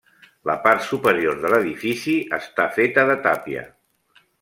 La part superior de l'edifici està feta de tàpia.